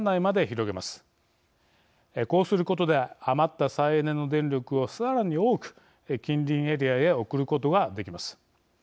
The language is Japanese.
こうすることで余った再エネの電力をさらに多く近隣エリアへ送ることができます。